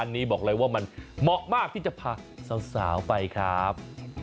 อันนี้บอกเลยว่ามันเหมาะมากที่จะพาสาวไปครับ